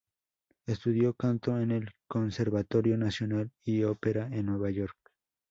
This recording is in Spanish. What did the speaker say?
Estudió canto en el Conservatorio Nacional y ópera en Nueva York.